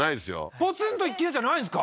ポツンと一軒家じゃないんですか？